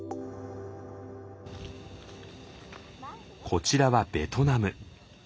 こちらはベトナム。